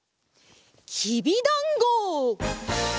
きびだんご！